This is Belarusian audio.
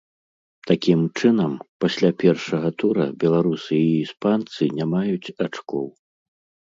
Такім чынам, пасля першага тура беларусы і іспанцы не маюць ачкоў.